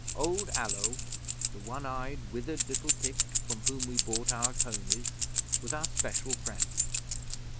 Old Allo, the one eyed, withered little Pict from whom we bought our ponies, was our special friend.